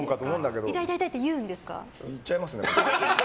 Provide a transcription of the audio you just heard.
言っちゃいますね。